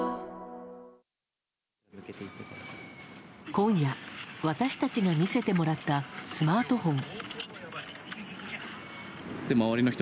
今夜、私たちが見せてもらったスマートフォン。